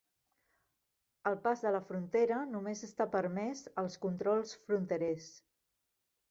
El pas de la frontera només està permès als controls fronterers.